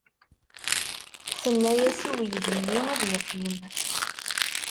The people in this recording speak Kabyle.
Tenna-as i weydi-nni ad yeqqim.